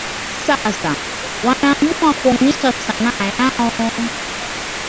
sasa wanaamua kuonyesha sanaa yao